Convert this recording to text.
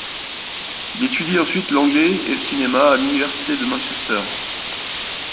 Il étudie ensuite l'anglais et le cinéma à l'université de Manchester.